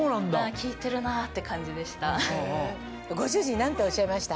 効いてるなって感じでした。